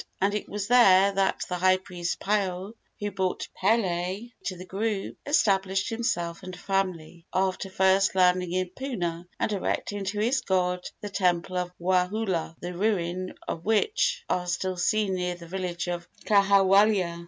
And it was there that the high priest Paao, who brought Pili to the group, established himself and family, after first landing in Puna and erecting to his god the temple of Wahaula, the ruins of which are still seen near the village of Kahawalea.